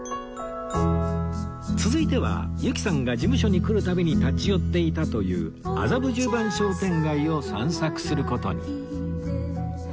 続いては由紀さんが事務所に来る度に立ち寄っていたという麻布十番商店街を散策する事に